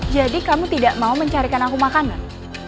jadi kamu tidak mau mencarikan aku makanan